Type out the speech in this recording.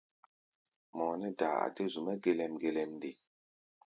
Mɔʼɔ nɛ́ daa a dé zu-mɛ́ gelɛm-gelɛm nde?